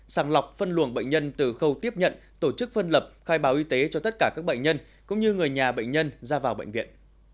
sàng lọc phân luồng bệnh nhân từ khâu tiếp nhận tổ chức phân lập khai báo y tế cho tất cả các bệnh nhân cũng như người nhà bệnh nhân ra vào bệnh viện